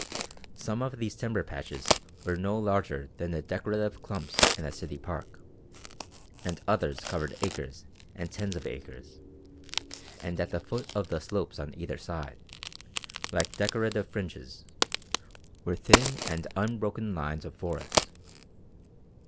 Some of these timber patches were no larger than the decorative clumps in a city park, and others covered acres and tens of acres; and at the foot of the slopes on either side, like decorative fringes, were thin and unbroken lines of forest.